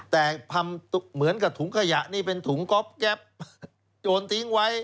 แต่ทำเหมือนกับถุงขยะนี่เป็นถุงก๊อบแก๊ปโยนทิ้งไว้